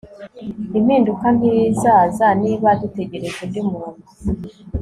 impinduka ntizaza niba dutegereje undi muntu